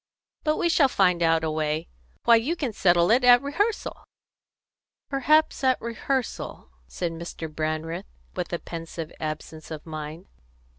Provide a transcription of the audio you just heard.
"But we shall find out a way. Why, you can settle it at rehearsal!" "Perhaps at rehearsal," said Mr. Brandreth, with a pensive absence of mind.